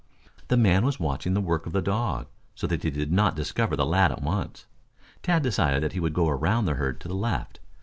The man was watching the work of the dog, so that he did not discover the lad at once. Tad decided that he would go around the herd to the left.